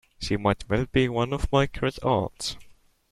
She might well be one of my great aunts.